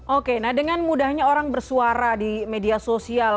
oke nah dengan mudahnya orang bersuara di media sosial